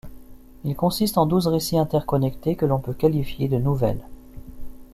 Il consiste en douze récits interconnectés — que l’on peut qualifier de nouvelles.